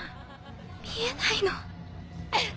見えないの？